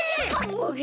むり！